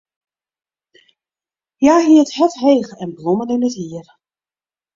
Hja hie it hert heech en blommen yn it hier.